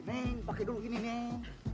neng pake dulu ini neng